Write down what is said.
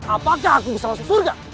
apakah aku bisa langsung surga